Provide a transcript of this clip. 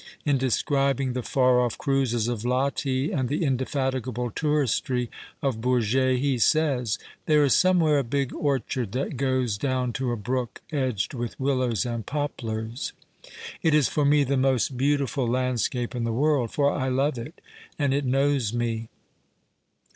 In describing the far off cruises of Loti and the indefatigable touristry of Bourget he says :—" There is somewhere a big orchard that goes down to a brook edged with willows and poplars. It is for me the most beauti 252 JULES LEMAtTRE ful landscape in Lhc world, lor i love it, and it knows me."